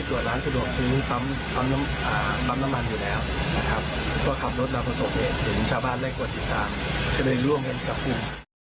ทางสะดวกซื้อต้ำน้ำมันอยู่แล้วนะครับก็ขับรถมาพอสกเนกถึงชาวบ้านได้กว่า๑๓จะได้ร่วมเห็นสักครู่